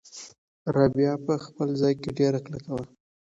رابعه په خپل ځای کې ډېره کلکه وه.